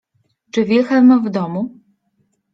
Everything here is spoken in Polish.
— Czy Wilhelm w domu?